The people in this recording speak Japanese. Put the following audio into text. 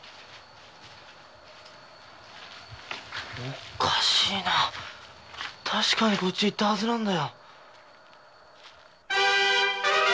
おかしいな確かにこっちへ行ったはずなんだよ。